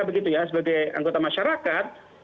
begitu ya sebagai anggota masyarakat